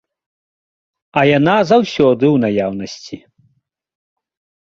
А яна заўсёды ў наяўнасці.